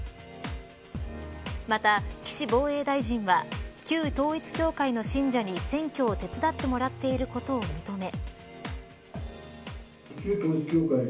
また、岸防衛大臣は旧統一教会の信者に選挙を手伝ってもらっていることを認め。